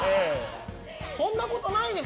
そんなことないですよ。